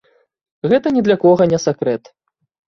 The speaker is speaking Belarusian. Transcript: Гэта ні для каго не сакрэт.